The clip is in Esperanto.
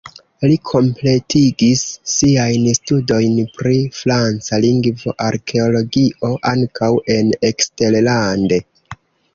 Li kompletigis siajn studojn pri franca lingvo, arkeologio ankaŭ en eksterlande.